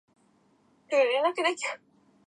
きっと赤道付近の国